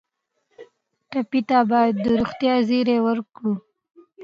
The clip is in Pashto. ټپي ته باید د روغتیا زېری ورکړو.